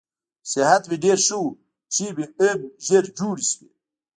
صحت مې ډېر ښه و، پښې مې هم ژر جوړې شوې.